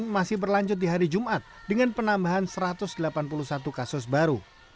masih berlanjut di hari jumat dengan penambahan satu ratus delapan puluh satu kasus baru